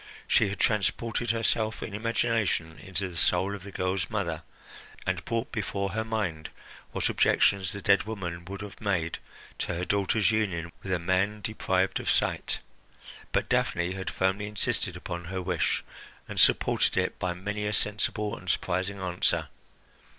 She had transported herself in imagination into the soul of the girl's mother, and brought before her mind what objections the dead woman would have made to her daughter's union with a man deprived of sight; but Daphne had firmly insisted upon her wish, and supported it by many a sensible and surprising answer.